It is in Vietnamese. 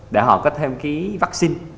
để họ có thêm cái vaccine